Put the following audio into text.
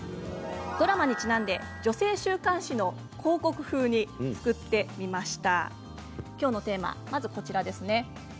ドラマにちなんで女性週刊誌の広告風に作ってみました。